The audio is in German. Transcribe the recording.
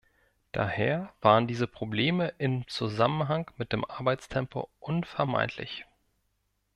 Daher waren diese Probleme im Zusammenhang mit dem Arbeitstempo unvermeidlich.